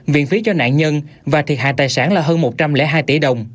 viện phí cho nạn nhân và thiệt hại tài sản là hơn một trăm linh hai tỷ đồng